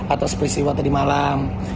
atas peristiwa tadi malam